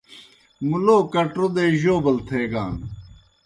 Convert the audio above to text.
مُلوک کٹرو دے جوبل تھیگان۔